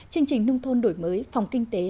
chương trình nông thôn đổi mới phòng kinh tế